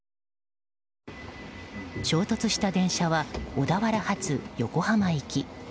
衝突した電車は小田原発横浜行き。